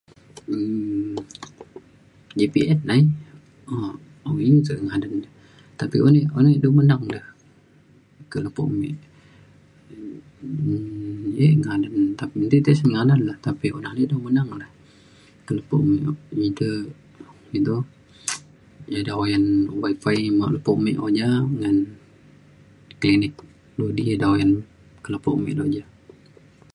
um jpn aie um awai iu sik ngadan ja tapi un ek un alik du menang da ke lepo' mik um ek ngadan tapi ntik tesen ngadan e to tapi un alik du menang ke lepo' mik iu de iu to ya eda oyan Wi-Fi me lepo mik oja ngan klinik dua di eda oyan ke lepo mik dalau ja.